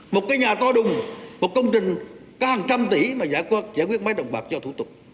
một cái nhà to đùng một công trình có hàng trăm tỷ mà giải quyết máy động bạc cho thủ tục